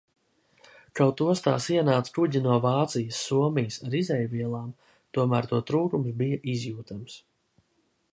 Kaut ostās ienāca kuģi no Vācijas, Somijas ar izejvielām, tomēr to trūkums bija izjūtams.